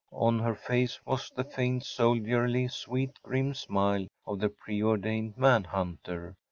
On her face was the faint, soldierly, sweet, grim smile of the preordained man hunter.